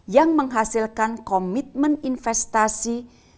yang menghasilkan komitmen investasi